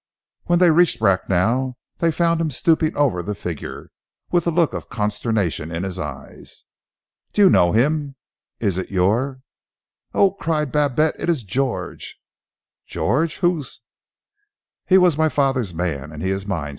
When they reached Bracknell they found him stooping over the figure, with a look of consternation in his eyes. "Do you know him? Is it your " "Oh!" cried Babette. "It is George!" "George! Who is " "He was my father's man, and he is mine!"